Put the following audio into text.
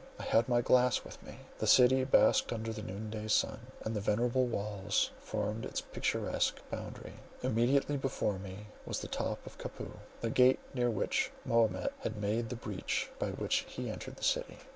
I had my glass with me. The city basked under the noon day sun, and the venerable walls formed its picturesque boundary. Immediately before me was the Top Kapou, the gate near which Mahomet had made the breach by which he entered the city.